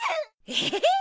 えっ？